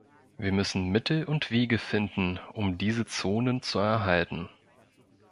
Wir müssen Mittel und Wege finden, um diese Zonen zu erhalten.